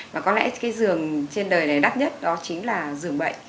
và có lẽ cái giường trên đời này đắt nhất đó chính là giường bệnh